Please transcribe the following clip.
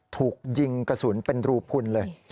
ถูกยิงกระสุนเป็นรูพุนเลย